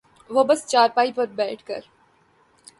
وہ بس چارپائی پر بیٹھ کر